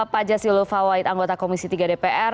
pak jasil lufawahit anggota komisi tiga dpr